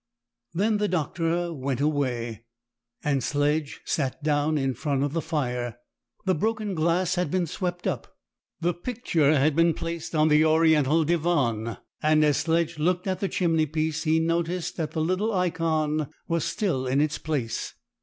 Then the doctor went away, and Sledge sat down in front of the fire. The broken glass had been swept up. The picture had been placed on the Oriental divan, and as Sledge looked at the chimney piece he noticed that the little Ikon was still in its place.